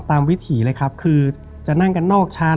วิถีเลยครับคือจะนั่งกันนอกชั้น